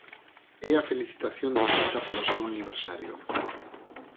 É a felicitación do Celta polo seu aniversario.